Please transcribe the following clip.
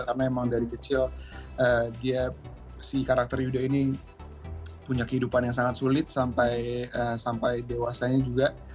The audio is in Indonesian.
karena emang dari kecil si karakter yuda ini punya kehidupan yang sangat sulit sampai dewasanya juga